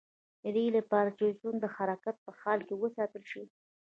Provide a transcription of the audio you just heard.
د دې لپاره چې ژوند د حرکت په حال کې وساتل شي.